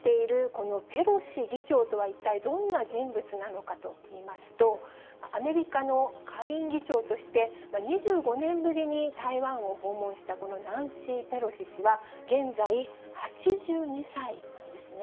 このペロシ議長とは、一体どんな人物なのかといいますと、アメリカの下院議長として、２５年ぶりに台湾を訪問したこのナンシー・ペロシ氏は現在、８２歳なんですね。